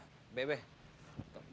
aduh pas nih bebeh bebeh pas gak